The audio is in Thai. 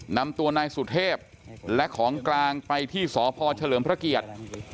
นำตัวนายสุเทพและของกลางไปที่สพเฉลิมพระเกียรติ